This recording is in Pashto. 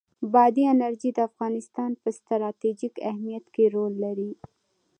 بادي انرژي د افغانستان په ستراتیژیک اهمیت کې رول لري.